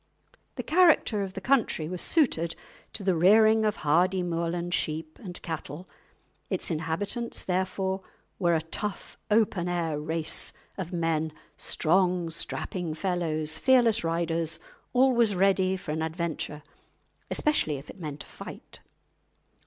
The character of the country was suited to the rearing of hardy Moorland sheep and cattle; its inhabitants therefore were a tough, open air race of men, strong, strapping fellows, fearless riders, always ready for an adventure, especially if it meant a fight.